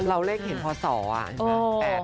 เราเลขเห็นพอ๒เอ่อ